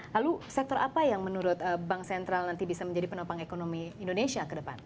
lalu sektor apa yang menurut bank sentral nanti bisa menjadi penopang ekonomi indonesia ke depan